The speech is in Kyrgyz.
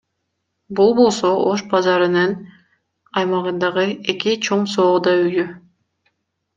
Бул болсо Ош базарынын аймагындагы эки чоң соода үйү.